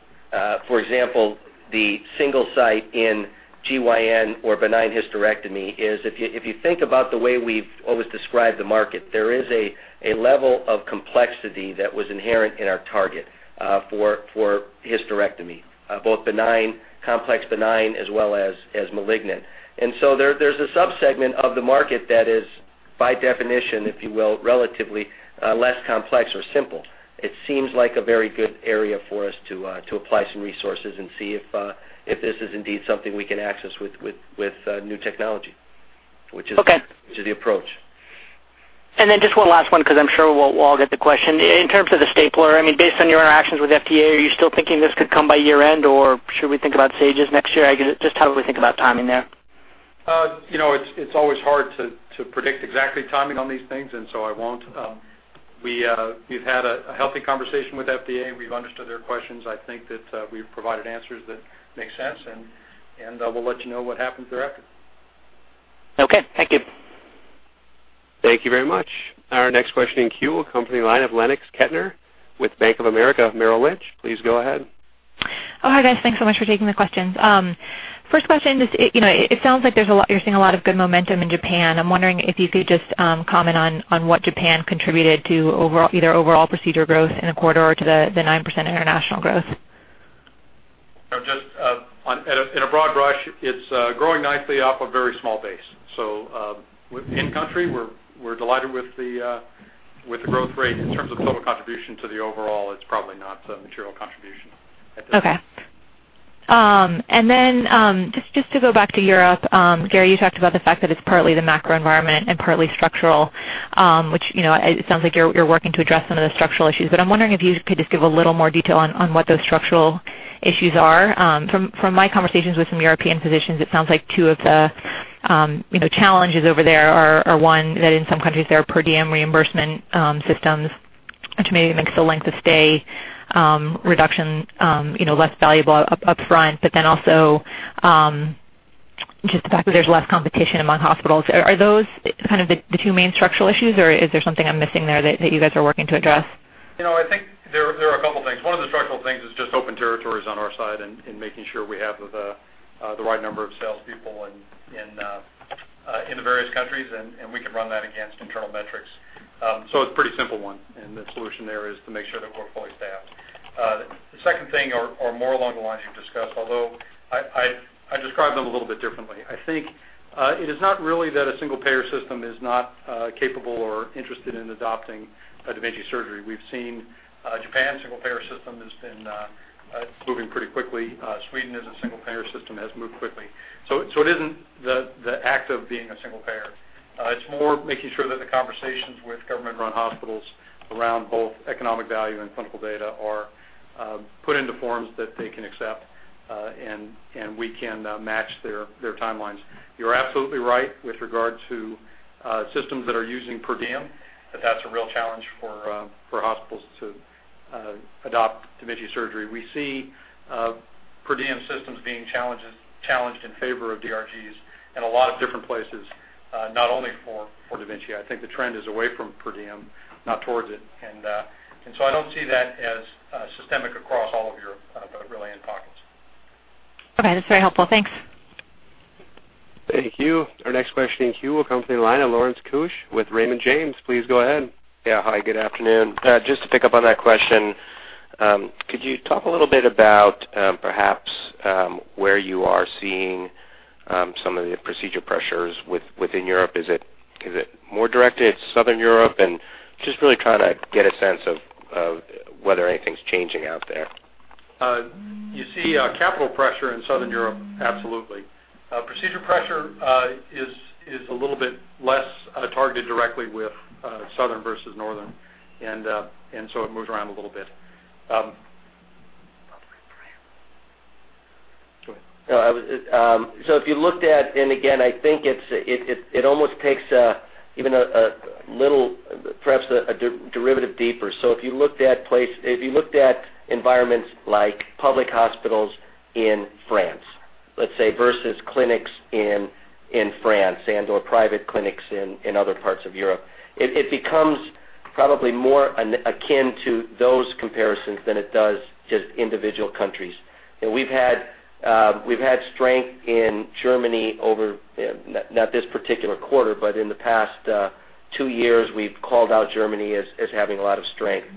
Speaker 5: for example, the Single-Site in GYN or benign hysterectomy is if you think about the way we've always described the market, there is a level of complexity that was inherent in our target for hysterectomy, both benign, complex benign as well as malignant. There's a sub-segment of the market that is by definition, if you will, relatively less complex or simple. It seems like a very good area for us to apply some resources and see if this is indeed something we can access with new technology, which is the approach.
Speaker 8: Okay. Just one last one, because I'm sure we'll all get the question. In terms of the stapler, based on your interactions with FDA, are you still thinking this could come by year-end, or should we think about stages next year? Just how do we think about timing there?
Speaker 3: It's always hard to predict exactly timing on these things, so I won't. We've had a healthy conversation with FDA. We've understood their questions. I think that we've provided answers that make sense, we'll let you know what happens thereafter.
Speaker 8: Okay, thank you.
Speaker 1: Thank you very much. Our next question in queue will come from the line of Bob Hopkins with Bank of America Merrill Lynch. Please go ahead.
Speaker 9: Oh, hi, guys. Thanks so much for taking the questions. First question is, it sounds like you're seeing a lot of good momentum in Japan. I'm wondering if you could just comment on what Japan contributed to either overall procedure growth in a quarter or to the 9% international growth.
Speaker 3: Just in a broad brush, it's growing nicely off a very small base. In country, we're delighted with the growth rate. In terms of total contribution to the overall, it's probably not a material contribution at this point.
Speaker 9: Okay. Just to go back to Europe, Gary, you talked about the fact that it's partly the macro environment and partly structural, which it sounds like you're working to address some of the structural issues, but I'm wondering if you could just give a little more detail on what those structural issues are. From my conversations with some European physicians, it sounds like 2 of the challenges over there are, 1, that in some countries there are per diem reimbursement systems, which maybe makes the length of stay reduction less valuable up front, but then also just the fact that there's less competition among hospitals. Are those kind of the 2 main structural issues, or is there something I'm missing there that you guys are working to address?
Speaker 3: I think there are a couple things. 1 of the structural things is just open territories on our side and making sure we have the right number of salespeople in the various countries, and we can run that against internal metrics. It's a pretty simple one, and the solution there is to make sure that we're fully staffed. The second thing are more along the lines you've discussed, although I describe them a little bit differently. I think it is not really that a single-payer system is not capable or interested in adopting da Vinci surgery. We've seen Japan's single-payer system has been moving pretty quickly. Sweden is a single-payer system, has moved quickly. It isn't the act of being a single payer. It's more making sure that the conversations with government-run hospitals around both economic value and clinical data are put into forms that they can accept, and we can match their timelines. You're absolutely right with regard to systems that are using per diem, that that's a real challenge for hospitals to adopt da Vinci surgery. We see per diem systems being challenged in favor of DRGs in a lot of different places, not only for da Vinci. I think the trend is away from per diem, not towards it. I don't see that as systemic across all of Europe, but really in pockets.
Speaker 9: Okay, that's very helpful. Thanks.
Speaker 1: Thank you. Our next question in queue will come from the line of Lawrence Keusch with Raymond James. Please go ahead.
Speaker 10: Yeah. Hi, good afternoon. Just to pick up on that question, could you talk a little bit about perhaps where you are seeing some of the procedure pressures within Europe? Is it more directed at Southern Europe? Just really trying to get a sense of whether anything's changing out there.
Speaker 3: You see capital pressure in Southern Europe, absolutely. Procedure pressure is a little bit less targeted directly with Southern versus Northern. It moves around a little bit. Go ahead.
Speaker 5: If you looked at, and again, I think it almost takes even a little, perhaps a derivative deeper. If you looked at environments like public hospitals in France, let's say, versus clinics in France and/or private clinics in other parts of Europe, it becomes probably more akin to those comparisons than it does just individual countries. We've had strength in Germany over, not this particular quarter, but in the past 2 years, we've called out Germany as having a lot of strength.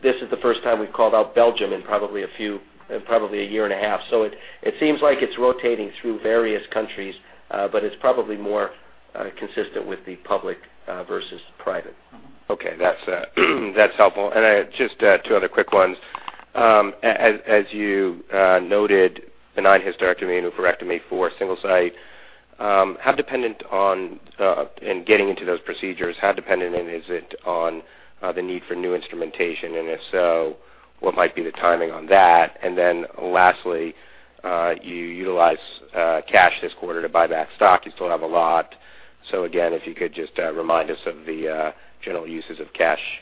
Speaker 5: This is the first time we've called out Belgium in probably a year and a half. It seems like it's rotating through various countries, but it's probably more consistent with the public versus private.
Speaker 10: Okay. That's helpful. Just 2 other quick ones. As you noted, the 9 hysterectomy and oophorectomy for Single-Site. In getting into those procedures, how dependent is it on the need for new instrumentation? If so, what might be the timing on that? Lastly, you utilized cash this quarter to buy back stock. You still have a lot. Again, if you could just remind us of the general uses of cash.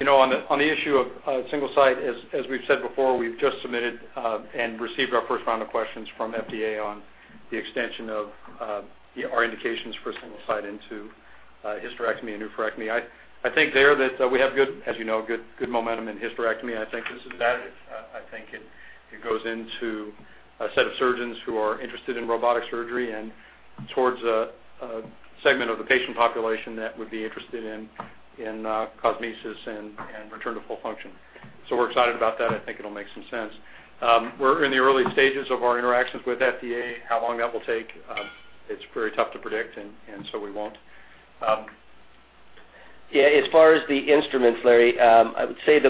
Speaker 3: On the issue of Single-Site, as we've said before, we've just submitted and received our first round of questions from FDA on the extension of our indications for Single-Site into hysterectomy and oophorectomy. I think there that we have, as you know, good momentum in hysterectomy, and I think it goes into a set of surgeons who are interested in robotic surgery and towards a segment of the patient population that would be interested in cosmesis and return to full function. We're excited about that. I think it'll make some sense. We're in the early stages of our interactions with FDA. How long that will take, it's very tough to predict. We won't.
Speaker 5: As far as the instruments, Larry, I would say,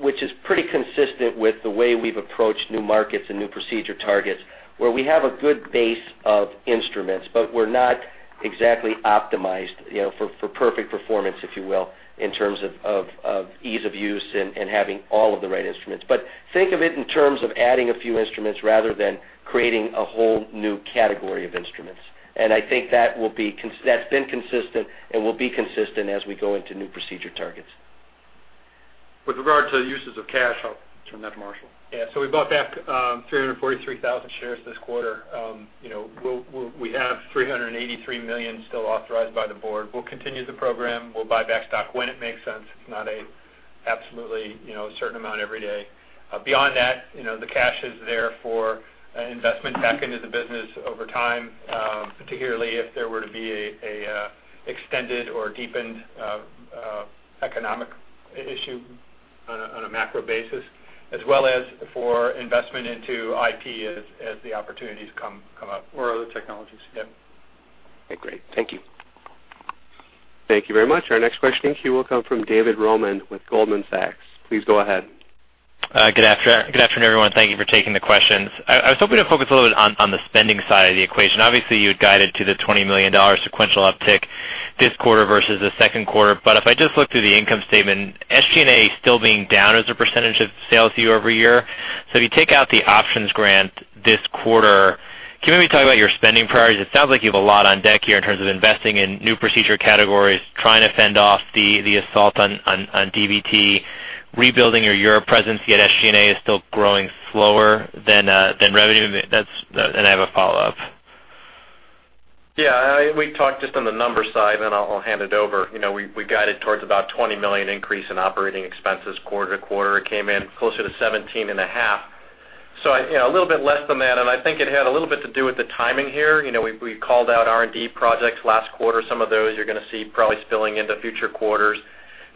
Speaker 5: which is pretty consistent with the way we've approached new markets and new procedure targets, where we have a good base of instruments, but we're not exactly optimized for perfect performance, if you will, in terms of ease of use and having all of the right instruments. Think of it in terms of adding a few instruments rather than creating a whole new category of instruments. I think that's been consistent and will be consistent as we go into new procedure targets.
Speaker 3: With regard to uses of cash, I'll turn that to Marshall.
Speaker 4: We bought back 343,000 shares this quarter. We have 383 million still authorized by the board. We'll continue the program. We'll buy back stock when it makes sense. It's not an absolutely certain amount every day. Beyond that, the cash is there for investment back into the business over time, particularly if there were to be an extended or deepened economic issue on a macro basis, as well as for investment into IP as the opportunities come up.
Speaker 3: Other technologies.
Speaker 4: Yeah.
Speaker 10: Okay, great. Thank you.
Speaker 1: Thank you very much. Our next question in queue will come from David Roman with Goldman Sachs. Please go ahead.
Speaker 11: Good afternoon, everyone. Thank you for taking the questions. I was hoping to focus a little bit on the spending side of the equation. Obviously, you had guided to the $20 million sequential uptick this quarter versus the second quarter. If I just look through the income statement, SG&A still being down as a percentage of sales year-over-year. If you take out the options grant this quarter, can you maybe talk about your spending priorities? It sounds like you have a lot on deck here in terms of investing in new procedure categories, trying to fend off the assault on dVP, rebuilding your Europe presence, yet SG&A is still growing slower than revenue. I have a follow-up.
Speaker 4: Yeah. We talked just on the numbers side, then I'll hand it over. We guided towards about $20 million increase in operating expenses quarter-to-quarter. It came in closer to $17.5 million, a little bit less than that. I think it had a little bit to do with the timing here. We called out R&D projects last quarter. Some of those you're going to see probably spilling into future quarters.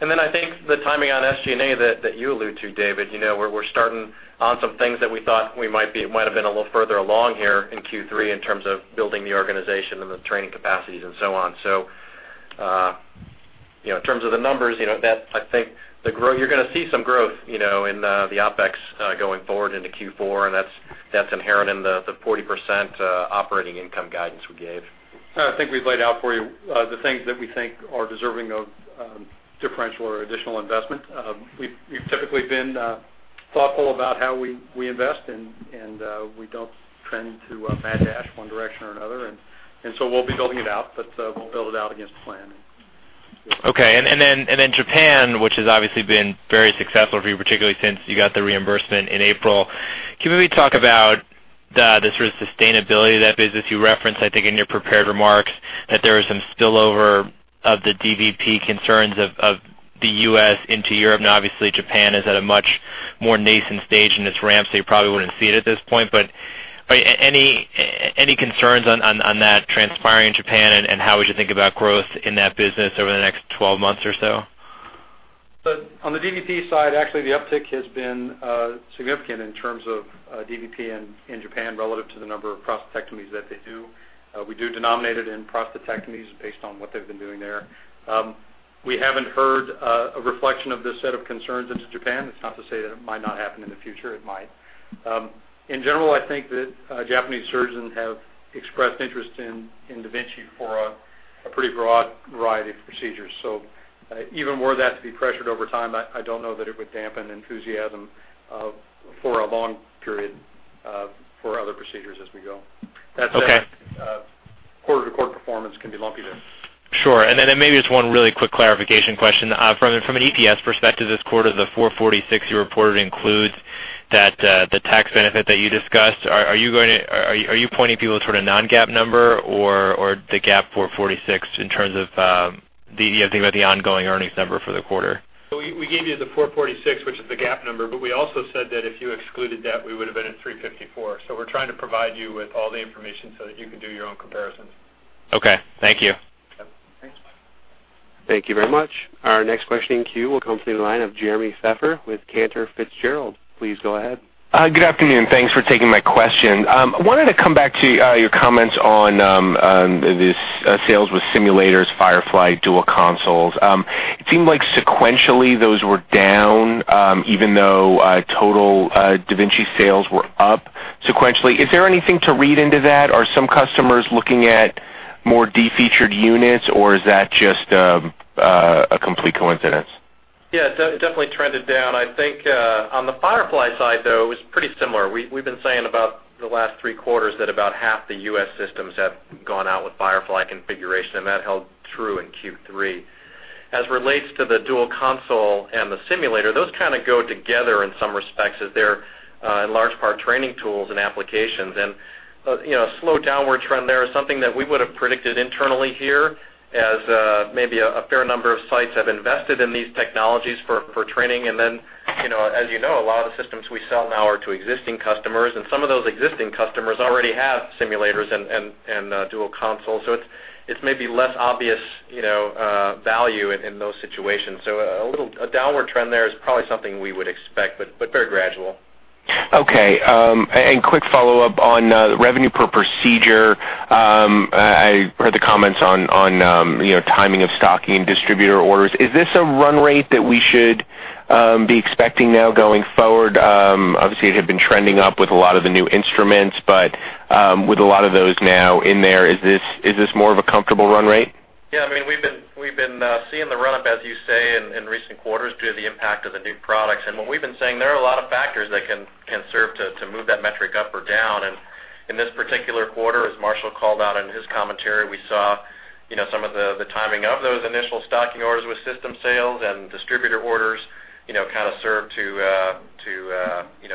Speaker 4: Then I think the timing on SG&A that you allude to, David, we're starting on some things that we thought we might have been a little further along here in Q3 in terms of building the organization and the training capacities and so on. In terms of the numbers, I think you're going to see some growth in the OpEx going forward into Q4, and that's inherent in the 40% operating income guidance we gave.
Speaker 3: I think we've laid out for you the things that we think are deserving of differential or additional investment. We've typically been thoughtful about how we invest, and we don't trend to mad dash one direction or another. We'll be building it out, but we'll build it out against plan.
Speaker 11: Okay. Japan, which has obviously been very successful for you, particularly since you got the reimbursement in April. Can you maybe talk about the sort of sustainability of that business? You referenced, I think, in your prepared remarks that there was some spillover of the dVP concerns of the U.S. into Europe. Now obviously, Japan is at a much more nascent stage in its ramp, so you probably wouldn't see it at this point. Any concerns on that transpiring in Japan, and how would you think about growth in that business over the next 12 months or so?
Speaker 3: On the dVP side, actually, the uptick has been significant in terms of dVP in Japan relative to the number of prostatectomies that they do. We do denominate it in prostatectomies based on what they've been doing there. We haven't heard a reflection of this set of concerns into Japan. It's not to say that it might not happen in the future. It might. In general, I think that Japanese surgeons have expressed interest in da Vinci for a pretty broad variety of procedures. Even were that to be pressured over time, I don't know that it would dampen enthusiasm for a long period for other procedures as we go.
Speaker 11: Okay.
Speaker 3: That said, quarter-to-quarter performance can be lumpy there.
Speaker 11: Sure. Then maybe just one really quick clarification question. From an EPS perspective this quarter, the $446 you reported includes the tax benefit that you discussed. Are you pointing people to a non-GAAP number or the GAAP $446 in terms of the ongoing earnings number for the quarter?
Speaker 4: We gave you the $446, which is the GAAP number, we also said that if you excluded that, we would have been at $354. We're trying to provide you with all the information so that you can do your own comparisons.
Speaker 11: Okay. Thank you.
Speaker 1: Thank you very much. Our next question in queue will come from the line of Jeremy LePape with Cantor Fitzgerald. Please go ahead.
Speaker 12: Good afternoon. Thanks for taking my question. I wanted to come back to your comments on sales with simulators, Firefly, dual consoles. It seemed like sequentially those were down, even though total da Vinci sales were up sequentially. Is there anything to read into that? Are some customers looking at more de-featured units, or is that just a complete coincidence?
Speaker 2: Yeah. It definitely trended down. I think on the Firefly side, though, it was pretty similar. We've been saying about the last three quarters that about half the U.S. systems have gone out with Firefly configuration, and that held true in Q3. As relates to the dual console and the simulator, those kind of go together in some respects as they're in large part training tools and applications. A slow downward trend there is something that we would have predicted internally here as maybe a fair number of sites have invested in these technologies for training, and then, as you know, a lot of the systems we sell now are to existing customers, and some of those existing customers already have simulators and dual consoles. It's maybe less obvious value in those situations. A downward trend there is probably something we would expect, but very gradual.
Speaker 12: Okay. Quick follow-up on revenue per procedure. I heard the comments on timing of stocking distributor orders. Is this a run rate that we should be expecting now going forward? Obviously, it had been trending up with a lot of the new instruments, but with a lot of those now in there, is this more of a comfortable run rate?
Speaker 2: Yeah. We've been seeing the run-up, as you say, in recent quarters due to the impact of the new products. What we've been saying, there are a lot of factors that can serve to move that metric up or down. In this particular quarter, as Marshall called out in his commentary, we saw some of the timing of those initial stocking orders with system sales and distributor orders kind of serve to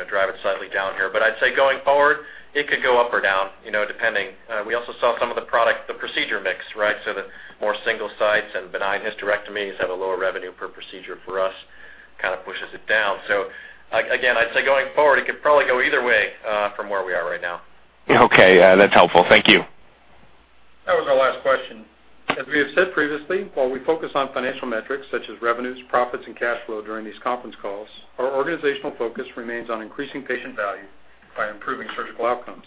Speaker 2: drive it slightly down here. I'd say going forward, it could go up or down, depending. We also saw some of the procedure mix, right? The more Single-Site and benign hysterectomies have a lower revenue per procedure for us, kind of pushes it down. Again, I'd say going forward, it could probably go either way from where we are right now.
Speaker 12: Okay. That's helpful. Thank you.
Speaker 3: That was our last question. As we have said previously, while we focus on financial metrics such as revenues, profits, and cash flow during these conference calls, our organizational focus remains on increasing patient value by improving surgical outcomes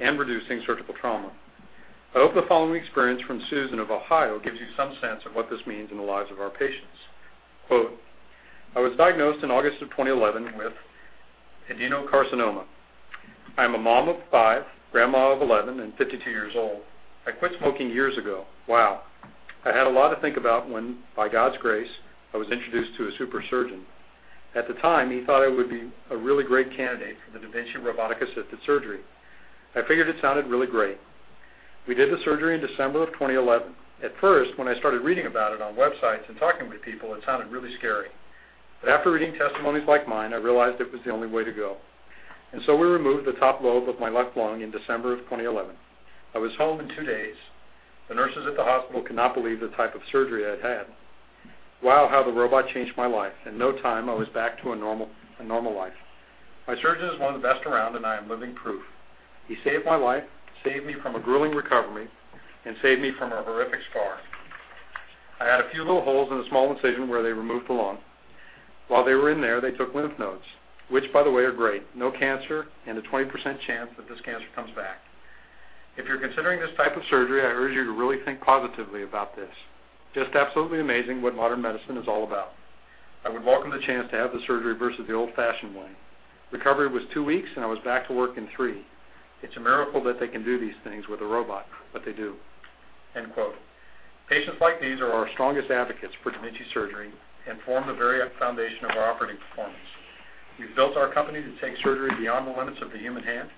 Speaker 3: and reducing surgical trauma. I hope the following experience from Susan of Ohio gives you some sense of what this means in the lives of our patients. Quote, "I was diagnosed in August of 2011 with adenocarcinoma. I am a mom of five, grandma of 11, and 52 years old. I quit smoking years ago. Wow. I had a lot to think about when, by God's grace, I was introduced to a super surgeon. At the time, he thought I would be a really great candidate for the da Vinci robotic-assisted surgery. I figured it sounded really great. We did the surgery in December of 2011. At first, when I started reading about it on websites and talking with people, it sounded really scary. After reading testimonies like mine, I realized it was the only way to go. We removed the top lobe of my left lung in December of 2011. I was home in two days. The nurses at the hospital could not believe the type of surgery I'd had. Wow, how the robot changed my life. In no time, I was back to a normal life. My surgeon is one of the best around, and I am living proof. He saved my life, saved me from a grueling recovery, and saved me from a horrific scar. I had a few little holes and a small incision where they removed the lung. While they were in there, they took lymph nodes, which, by the way, are great. No cancer and a 20% chance that this cancer comes back. If you're considering this type of surgery, I urge you to really think positively about this. Just absolutely amazing what modern medicine is all about. I would welcome the chance to have the surgery versus the old-fashioned way. Recovery was two weeks, and I was back to work in three. It's a miracle that they can do these things with a robot, but they do." End quote. Patients like these are our strongest advocates for da Vinci surgery and form the very foundation of our operating performance. We've built our company to take surgery beyond the limits of the human hand.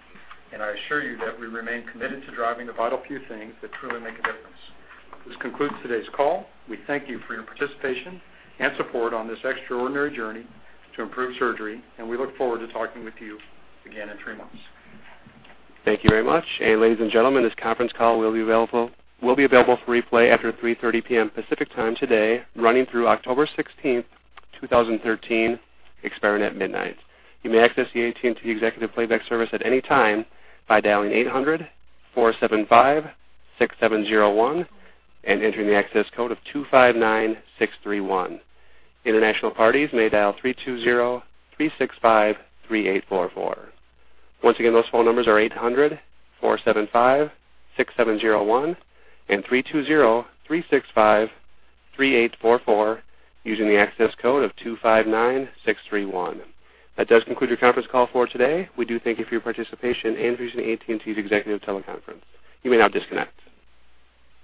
Speaker 3: I assure you that we remain committed to driving the vital few things that truly make a difference. This concludes today's call. We thank you for your participation and support on this extraordinary journey to improve surgery. We look forward to talking with you again in three months.
Speaker 1: Thank you very much. Ladies and gentlemen, this conference call will be available for replay after 3:30 P.M. Pacific Time today running through October 16th, 2013, expiring at midnight. You may access the AT&T Executive Playback Service at any time by dialing 800-475-6701 and entering the access code of 259631. International parties may dial 320-365-3844. Once again, those phone numbers are 800-475-6701 and 320-365-3844 using the access code of 259631. That does conclude your conference call for today. We do thank you for your participation in reaching AT&T's executive teleconference. You may now disconnect.